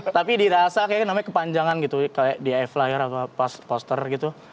tapi dirasa kayak namanya kepanjangan gitu kayak di iflyer atau pas poster gitu